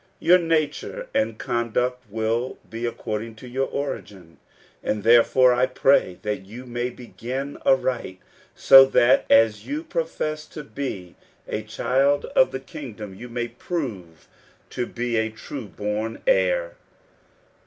Your nature and conduct will be according to your origin; and therefore I pray that you may begin aright, so that as you profess to be a child of the kingdom, you may prove to be a true born heir.